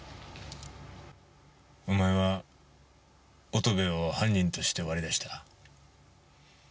お前は乙部を犯人として割り出した。